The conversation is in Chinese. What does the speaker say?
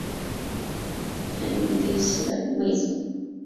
雷诺因此守住车队排名第四的位子。